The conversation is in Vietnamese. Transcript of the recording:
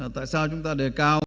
tại sao chúng ta đề cao